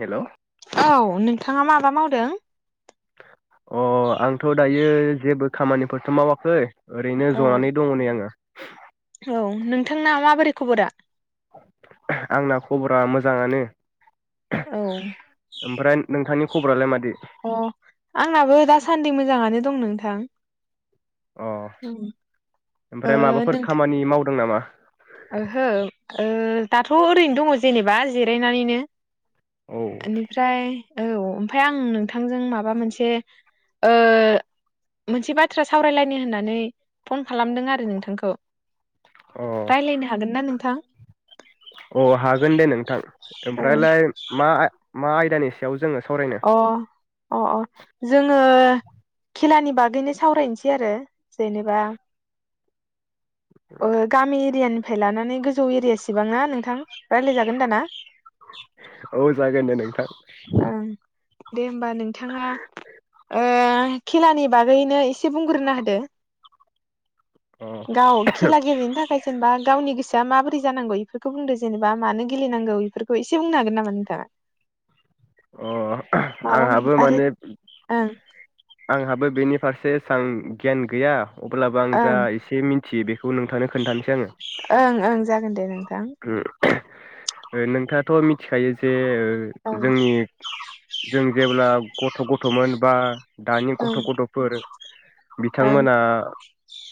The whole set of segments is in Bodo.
हेलौ औ नोंथाङा माबा मावदों? अ आंथ' दायो जेबो खामानिफोरथ' मावाखै। ओरैनो जनानै दङ नै आङो। औ नोंथांना माबोरै खबरा? आंना खबरा मोजाङानो। औ ओमफ्राय नोंथांनि खबरालाय मादि अ आंनाबो दासान्दि मोजाङानो दं नोंथां। अ ओ ओमफ्राय माबाफोर नोंथा खामानि मावदों नामा? ओहो ओ दाथ' ओरैनो दङ जेनेबा जिरायनानैनो। औ एनिफ्राय औ ओमफफ्राय आं नोंथांजों माबा मोनसे ओ मोनसे बाथ्रा सावरायलायनो होननानै फन खालामदों आरो नोंथांखौ। रायज्लायनो हागोन ना नोंथां? अ हागोन दे नोंथां ओमफ्रायलाय मा आ मा आयदानि सायाव जोङो सावरायनो अ अ अ जोङो खेलानि बागैनो सावरायनोसै आरो जेनेबा ओ गामि एरियानि फाय लानानै गोजौ एरियासिबां ना नोंथां रायज्लायजागोन दा ना? औ जागोन दे नोंथां। ओं दे होमबा नोंथाङा ओ खेलानि बागैनो एसे बुंग्रोना होदो। अ गाव खेला गेलेनो थाखाय जेनेबा गावनि गोसो दा माबोरै जानांगौ इफोरखौ बुंदो जेनेबा मानो गेलेनांगौ इफोरखौ एसे बुंनो हागोन नामा नोंथाङा? अ माबा मोन आंहाबो आरो माने ओं आंहाबो बेनि फारसे सां गियान गैया। अब्लाबो आं जा ओं एसे मिन थियो बे ओं ओं जागोन दे नों होम नोंथाङाथ' मिथिखायो जे ओ ओं जोंनि जों जेब्ला गथ' गथ' समोनबा [inaudible] दानि ओं गथ' गथ'फोर ओं बिथांमोना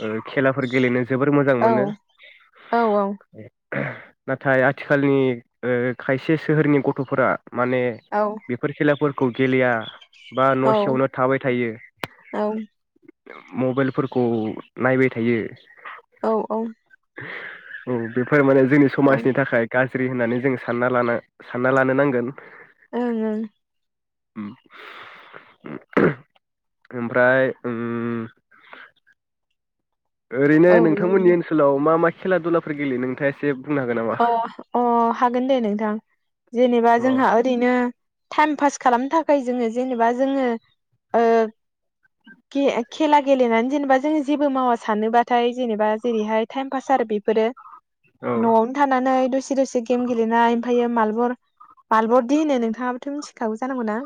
ओ खेलाफोर गेलेनो जोबोर मोजां औ मोनो। औ औ नाथाय आथिखालनि ओ खायसे सोहोरनि गथ'फोरा माने औ बेफोर खेलाफोर खौ गेलया। बा न'सेयावनो थाबाय थायो। औ मबाइलफोरखौ नायबाय थायो। औ औ। औ बे फोरमाने जोंनि समाजनि थाखाय गाज ज्रि होननानै जों साननालानो सानना लानो नांगोन। ओं ओं। ओम ओमफ्राय ओं ओरैनो औ दे नोंथांमोननि बुंदो ओनसोलाव मा मा खेला दुलाफोर गेलेयो नोंथाङा एसे बुंनो हागोन नामा? अ अ हागोन दे नोंथां जेनेबा अ जोंहा ओरैनो टाइम पास खालामनो थाखाय थाखाय जोङो जेनेबा जोङो ओ गे-खेला गेलेनानै जेनेबा जो जेबो मावा सानोबाथाय जेनेबा जेरैहाय टाइम पास आरो बेफोरो। औ। न'आवनो थानानै दसे दसे गेम गेलेनाय ओमफ्रायायो मालबर मालबरदि होनो नोंथाङाबोथ' मिथिखागौ जानांगौ ना?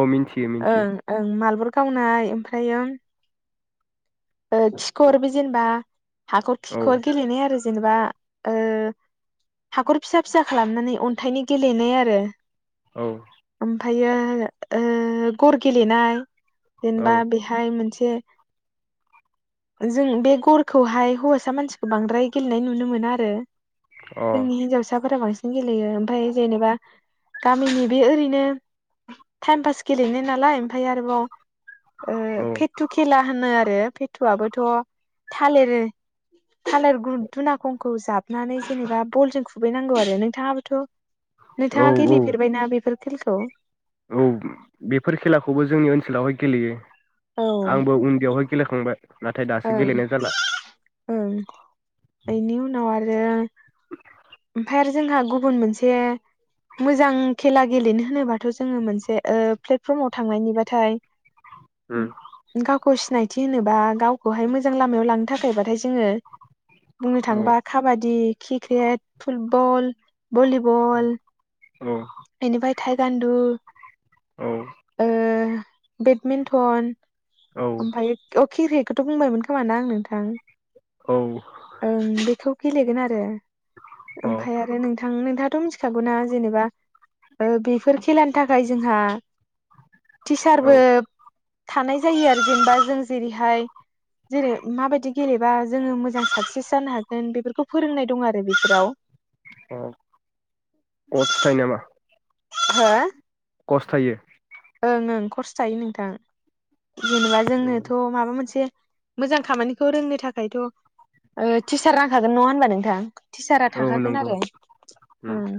औ मिन्थियो मिन्थियो ओं ओं मालबर गावनाय ओमफ्रायो ओ खिखरबो जेनेबा। हाखौ औ खिखर गेलेनाय आरोजे जेनेबा ओ हाखर फिसा फिसा खालामनानै अन्थाइनि गेलेनाय आरो। औ। ओमफ्रायो ओ गर गेलेनाय। औ अ जेनेबा बेहाय मोनसे जो जों बे गरखौहाय हौवासा मानसिखौ बांद्राय गेलेनाय नुनो मोना आरो। औ जोंनि हिन्जावसाफोरा बांसिन गेलेयो ओमफ्राय जेनेबा गामिनि बे ओरैनो टाइम पास गेलेनो नालाय ओमफ्राय आरोबाव ओ फेटु खेला होनो आरो। ओ फेथुयाबोथ' थालिर थालिर दु दुनांखंखौ जाबनानै जेनेबा बलजों खुबैनांगौ आरो नोंथाङाबोथ' औ नोंथाङा औ गेलेफेरबायना बेफोरख खेलखौ? औ बेफोर खेलाखौबो जोंनि ओनसोलावहाय गेलेयो। औ आंबो उन्दैयावहाय गेलेखांबाय। नाथाय दासो ओं गेलेनाय जाला ओं बेनि उनाव आरो [inaudible] ओमफाय आरो जोंहा गुबुन मोनसे मोजां खेला गेलेनो होनोबाथ' जोङो मोनसे ओ प्लेटफर्माव थांनायनिबाथाय उम गावखौ सिनायथ थि होनोबा गावखौहाय मोजां लामायाव लांनो थाखायबाथाय जोङो बुंनो औ थाङोबा काबादि। क्रिकेत। फुटबल। भलिबल। औ बेनिफाय थाइ गान्दु औ ओ बेडमिन्टन। औ ओमफायो ओ क्रिकेट। खौथ' बुंबायमोन खोमा ना आं नोंथां? औ ओं बेखौ गेलेगोन आर रो। औ ओमफाय आरो नोंथां नोंथाङा थ' मिथिखागौ ना जेनेबा-' ओ बेफोर खेलानि थाखाय जोंहा टिचारबो औ थानाय जायो आरो जेनेबा जों जेरैहाय जेरै माबायदि गेलेबा जोङो मोजां साक्सेस जानो हागोन बेफोरखौ फोरोंनाय दं आरो बिफोराव अ अटस थाइयो नामा? हो? कस थायो? ओं ओं खरस थायो नोंथां। जेनेबा जोंनोथ' माबा मोनसे मोजां खामानिखौ रोंनो थाखायथ' ओ टिचार नांखागोन नङा होनबा नोंथां। टिचारा औ थाखागोन नंगौ आरो उम ओं।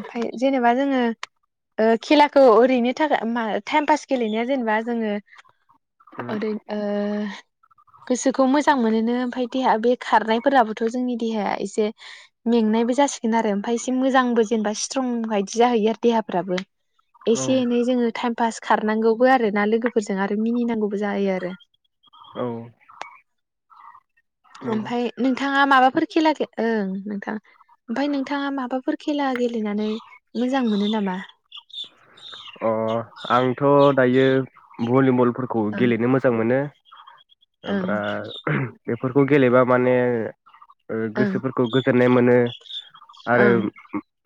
ओमफाय जेनेबा जोङो ओ खेलाखौ ओरैनो थाख टाइम पास गेलेनाया जेनेबा जोङो। उम अदैद ओ [inaudible] गोसोखौ मोजां मोनोनो ओमफाय देहा बे खारनायफोराबोथ' जोंनि देहाया एसे मेंनायबो जासिगोन आरो ओमफाय एसे मोजांबोज जेनेबा स्ट्रं बायदि जाहैयो आरो देहाफ्राबो। औ एसे एनै जोङो टाइम पास खार नांगौबो आरो ना लोगोफोरजों आरो मिनिनांगौबो जायो आरो। औ। नंगौ ओमफ्राय नों नोंथाङा माबाफोर खेला ओं नोंथाङा ओमफफ्राय नोंथाङा माबाफोर खेला गेलेनानै मोजां मोनो नामा? भलिबल। फोरखौ ओं गेलेनो मोजां मोनो। ओं ओमफ्राय बेफोरखौ गेलेबा माने ओं गोसोफोरखौ गोजो नाय मोनो। आरो ओं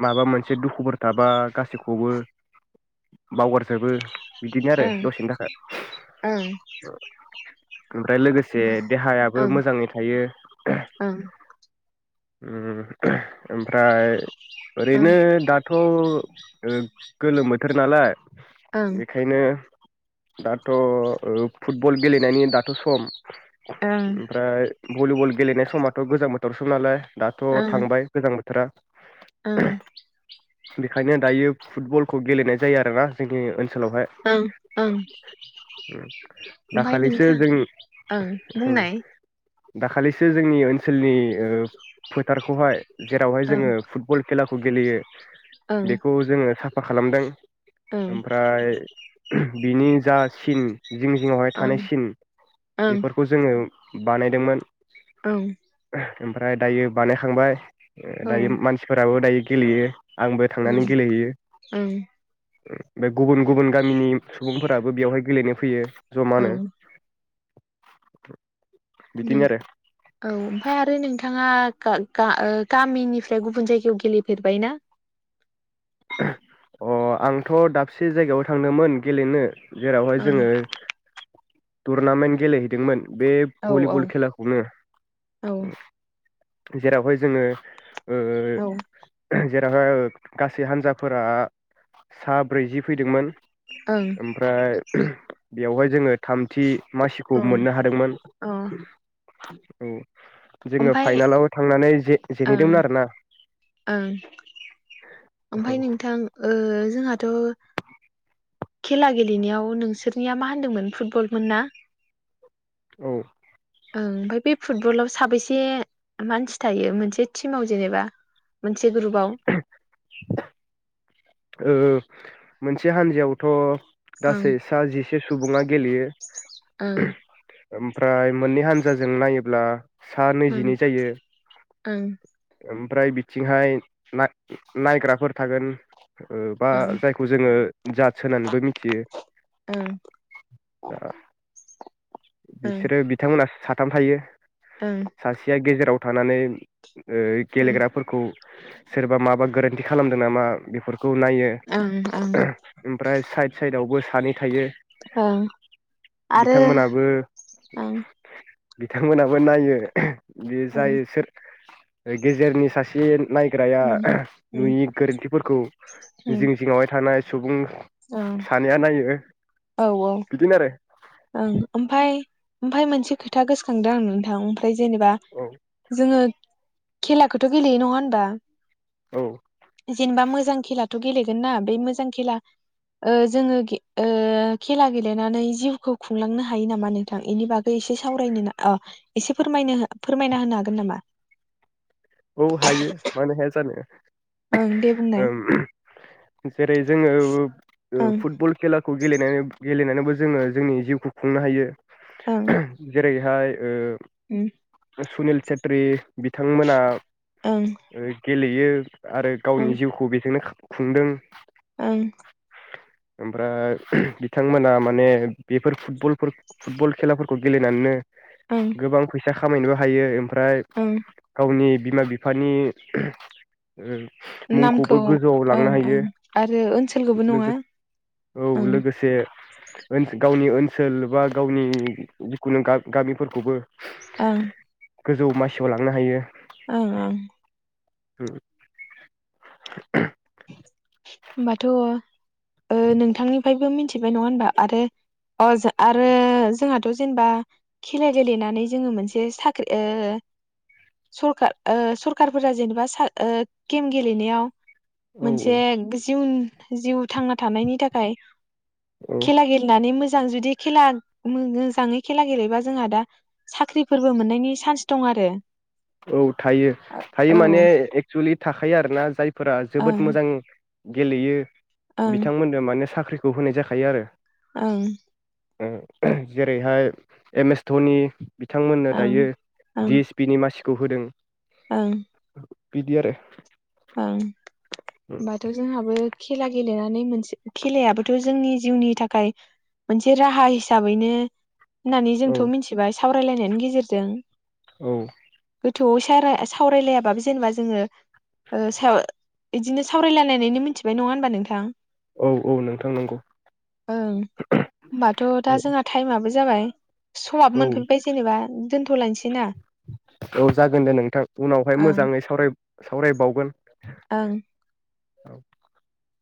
माबा मोनसे दुखुफोर थाबा गासैखौबो बावगारजोबो। बिदिनो आरो ओं दसेनि थाखाय ओं ओमफ्राय लोगोसे देहायाबो ओं मोजाङै थायो। ओं उम। ओमफ्राय ओं ओरैनो दाथ' गोलोम थोर नालाय। ओं बेखायनो दाथ' फुटबल गेलेनायनि दाथ' सम। ओं। ओमफ्राय भलिबल गेलेनाय समाथ' गोजां बोथोरसोम नालाय। दाथ' ओं थांबाय गोजां बोथोर थोरा। ओं। बेखायनो दायो फुटबलखौ गेलेनाय जायो आरोना जोंनि ओ ओं ओं ओमफ्राय दाखालिसो नोंथां जोंनि ओं बुंनाय। दाखालिसो जोंनि ओनसोलनि फोथारखौहाय। जेरावहाय ओं जोङो फुटबल खेलाखौ गेलेयो। ओं बेखौ जोङो थाब फा खालामदों। ओं ओमफ्राय बिनि जा सिन। जिं जिं जिङावहाय ओं थानाय सिन ओं बेफोरखौ जोङो। बानायदोंमोन। औ। ओमफ्राय दायो बानायखांबाय। दायो मानसिफोराबो दायो। गेलेयो। आंबो थांनानै ओं गेलेहैयो। ओं [inaudible] बे गुबुन गुबुन गामिनि सुबुंफोराबो बेवहाय गेलेनो फैयो। जमानो। ओं [inaudible] बिदिनो आरो औ ओमफ्राय आरो नोंथाङा गा गा ओ गामिनिफ्राय गुबुन जायगायाव गेलेफेरबाय ना? अ आंथ' दाबसे जायगायाव थांदोंमोन गेलेनो। जेरावहाय ओं जोङो। टुरनामेन्ट गेलेहैदोंमोन। बे औ भलिबल खेलाखौनो। औ जेरावहाय जोङो। औ। [inaudible] से हान्जाफोरा सा ब्रैजि फैदोंमोन। ओमफ्राय बेवहाय जोङो थामथि मासिखौ ओं मोननो हादोंमोन अ औ। जोङो ओमफाय फाइनालाव थांनानै ओं जेनहैदोंमोन आरोना। औ ओमफ्राय नोंथां जोंहाथ' खेला गेलेनायाव नोंसोरनिया मा होनदोंमोन फुटबलमोन ना? औ। ओं ओमफ्राय बे फुटबलाव साबेसे मानसि थायो मोनसे टिमाव जेनेबा मोनसे ग्रुबाव। ओं मोनसे हान्जायावथ' ओं गासै सा जि से सुबुङा गेलेयो। ओं ओमफ्राय मोननै हान्जाजों नायोब्ला सा ओं नैजिनै जायो ओं ओम फ्राय बिथिंहाय नाय नायग्राफोर थागोन। ओ बा ओं जायखौ जोङो जादस् होनानैबो मिथियो ओं दा ओं बिसोरो बिथांमोना सा थाम थायो। ओं सासेया गेजेराव थानानै ओ ओं गेलेग्राफोरखौ सोरबा माबा गोरोन्थि खालामदो नामा बेफोर खौ नायो ओं ओं ओमफ्राय साइद साइद आवबो सानै थायो। ओं आरो बिथांमोनाबो ओं बिथांमोनाबो नायो। बियो ओं जायो सोर ओ गेजेरनि सासे नायग्राया उम उम नुयि गोरोन्थिफोरखौ उम जिं जिंङावहाय थानाय सुबुं ओं सानैया नायो औ बिदिनो आरो। ओं ओमफाय ओमफाय मोनसे खोथा गोसोखांदों आं नोंथां फय जेनेबा औ जोङो खेलाखौथ' गेलेयो नङा होनबा? औ जेनेबा मोजां खेलाथ' गेलेगोन ना बे मोजां खेला ओ जोङो गे ओ खेला गेलेनानै जिउखौ खुंलांनो हायो नामा नोंथां इनि बागै एसे सावरायनो ना अ एसे फोरमायनो फोरमायना होनो हागोन नामा? औ हायो मानो हाया जानो‌। ओं दे बुंनाय। जेरै जोङो ओ ओं फुटबल खेला खौ गेलेनानै गेलेनानैबो जोंङो जोंनि जिउखौ खुंनो हायो। ओं जेरै फाय ओ उम सुनिल सेेत्री बिथांमोना ओं। ओ गेलेयो। आरो ओं गावनि जिउखौ बेजोंनो खुंदों। ओं। ओमफ्राय बिथांमोना माने बेफोर फुटबलफोर फुटबल खेलाफोरखौ गेलेनानैनो ओं गोबां फैसा फैसा खामायनोबो हायो ओमफ्राय ओं गावनि बिमा बिफानि नामखौ मुंखौबो गोजौआव लांनो ओं ओं हायो आरो ओनसोलखौबो लोगो नङा औ ओं लोगोसे ओन गावनि ओनसोल बा गावनि जिखुनु गामिफोरखौबो ओं। गोजौ मासियाव लांनो हायो। ओं ओं। उम। [inaudible] होमबाथ' ओ नोंथांनिफ्रायबो मिथिबाय नङा होमबा आरो अ आरो जोंहाथ' जेनेबा खेला गेलेनानै जोङो मोनसे साख्रि ओं सखार ओं सरखारफोरा जेनेबा साख्रि ओं गेम गेलेनायाव औ मोनसे गोजोन इयुन। जिउ थांना थानायनि थाखाय। औ खेला गेलेनानै मोजां मोजां जुदि खेला मो-मोजाङै खेला गेलेबा जोंहा दा साख्रिफोरबो मोननायनि चान्स दं आरो। औ थायो औ थायो माने एक्सुलि थाखायो आरोना जाय फोरा जोबोद ओं मोजां गेलेयो। ओं बिथांमोननो माने साख्रि बेखौ होनाय जाखायो आरो। ओं जेरैहाय एम एस धनि बिथांमोननो ओं दायो ओं डि एस पि नि मासि खौ होदों। ओं। बिदि आरो। ओं। ओमबाथ' जोंहाबो खेला गेलेनानै मोनसे खेलायाबोथ' जोंनि जिउनि थाखाय मोनसे राहा हिसाबैनो नानै औ जोंथ' मिथिबाय सावरायलायनायनि गेजेरजों। औ। थौवै सारा सावरायलायाबाबो जेनेबा जोङो। ओ सायाव इदिनो सावरायलायनानैनो मिथिबाय नङा होनबा नोंथां। औ औ नोंथां नंगौ ओं होमबाथ' औ दा जोंहा टाइमाबो जाबाय। समाबो मोनफैबाय जेनेबा दोनथ'लायनोसै ना? औ जागोन दे नोंथां उनावहाय ओं मोजाङै सावराय सावरायबावगोन। ओं। औ। [inaudible]